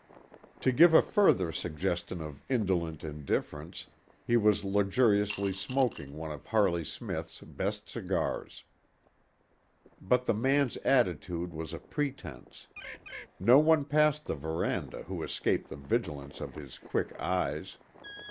To give a further suggestion of indolent indifference, he was luxuriously smoking one of Harley Smith's best cigars. But the man's attitude was a pretense. No one passed the veranda who escaped the vigilance of his quick eyes.